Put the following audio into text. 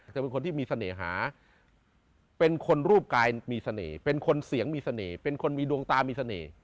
จะเป็นคนที่มีเสน่หาเป็นคนรูปกายมีเสน่ห์เป็นคนเสียงมีเสน่ห์เป็นคนมีดวงตามีเสน่ห์